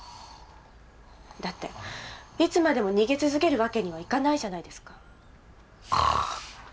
だっていつまでも逃げ続けるわけにはいかないじゃないですか。